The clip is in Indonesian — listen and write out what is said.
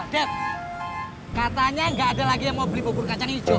dad katanya gak ada lagi yang mau beli bubur kacang nico